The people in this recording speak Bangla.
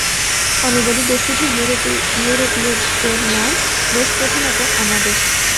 আমি বলি, দোষ শুধু ইউরোপীয়দের নয়, দোষ প্রধানত আমাদের।